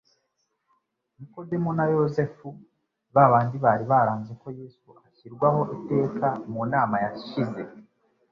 Nikodemu na Yosefu, ba bandi bari baranze ko Yesu ashyirwaho iteka mu nama yashize,